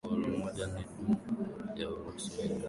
moja ni duma ya Urusi yenye wabunge na Halmashauri ya